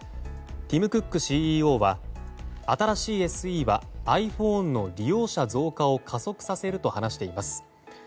ティム・クックＣＥＯは新しいＳＥはｉＰｈｏｎｅの利用者増加を加速させると話しています。